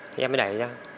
thì em mới đẩy ra